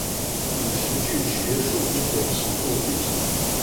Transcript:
五十句學術英文寫作句型